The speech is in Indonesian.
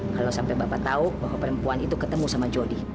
kalau sampai bapak tahu bahwa perempuan itu ketemu sama jody